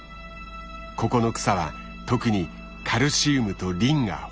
ここの草は特にカルシウムとリンが豊富。